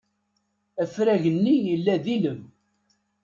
Afrag-nni yella d ilem.